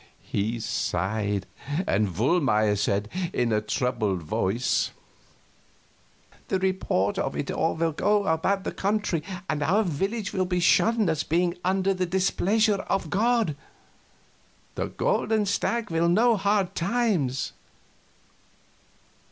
He sighed, and Wohlmeyer said, in a troubled voice: "The report of it all will go about the country, and our village will be shunned as being under the displeasure of God. The Golden Stag will know hard times."